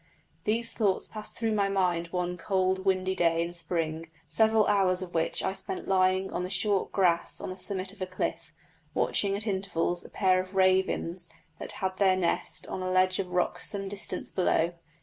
These thoughts passed through my mind one cold, windy day in spring, several hours of which I spent lying on the short grass on the summit of a cliff, watching at intervals a pair of ravens that had their nest on a ledge of rock some distance below.